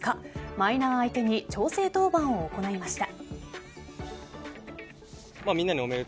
マイナー相手に調整登板を行いました。